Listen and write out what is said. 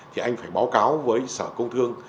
thì anh phải báo cáo với sở công thương